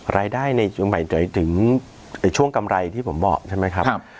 รายได้ในช่วงกำไรที่ผมบอกใช่ไหมครับ